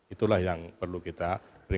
itulah yang perlu kita